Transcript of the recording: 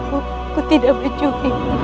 aku tidak mencuri diri